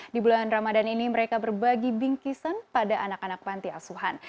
di bulan ramadan ini mereka berbagi bingkisan pada anak anak panti asuhan